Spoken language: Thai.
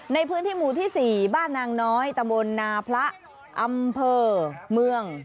ในพื้นที่หมู่ที่๔บ้านนางน้อยตะบนนาพระอำเภอเมือง